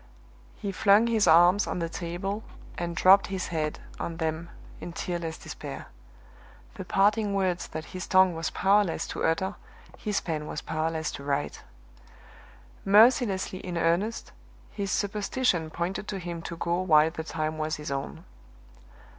He flung his arms on the table and dropped his head on them in tearless despair. The parting words that his tongue was powerless to utter his pen was powerless to write. Mercilessly in earnest, his superstition pointed to him to go while the time was his own.